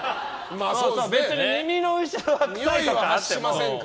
別に耳の後ろが臭いとかはあってもさ。